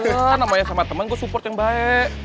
kan namanya sama temen gue support yang baik